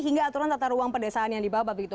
hingga aturan tata ruang pedesaan yang dibabah begitu